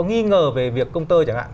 nghi ngờ về việc công tơ chẳng hạn